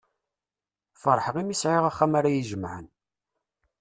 Ferḥeɣ imi sεiɣ axxam ara y-ijemεen.